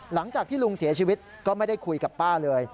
หลังจากที่ลุงเสียชีวิตก็ไม่ได้คุยกับป้าเลย